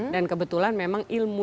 dan kebetulan memang ilmu